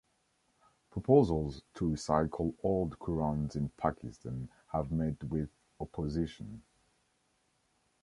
Proposals to recycle old Qurans in Pakistan have met with opposition.